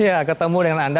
ya ketemu dengan anda